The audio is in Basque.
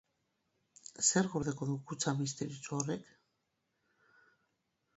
Zer gordeko du kutxa misteriotsu horrek?